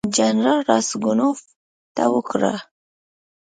جنرال راسګونوف ته وکړه.